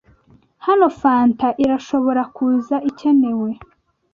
Hano Fanta Irashobora kuza ikenewe.